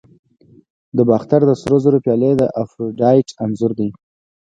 د باختر د سرو زرو پیالې د افروډایټ انځور لري